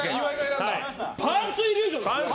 パンツイリュージョン